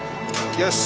よし。